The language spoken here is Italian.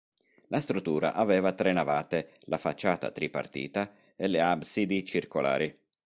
La struttura aveva tre navate, la facciata tripartita e le absidi circolari.